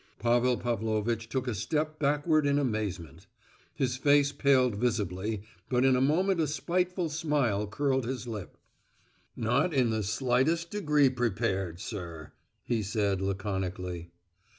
Pavel Pavlovitch took a step backward in amazement; his face paled visibly, but in a moment a spiteful smile curled his lip. "Not in the slightest degree prepared, sir," he said, laconically.